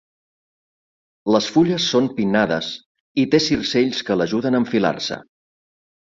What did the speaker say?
Les fulles són pinnades i té circells que l'ajuden a enfilar-se.